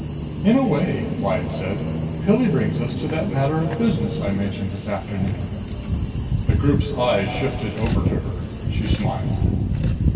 "In a way," Lyad said, "Pilli brings us to that matter of business I mentioned this afternoon." The group's eyes shifted over to her. She smiled.